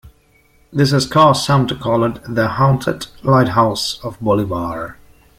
This has caused some to call it "The Haunted Lighthouse" of Bolivar.